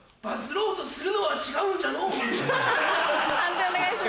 判定お願いします。